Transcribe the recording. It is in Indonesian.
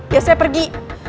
ya saya pergi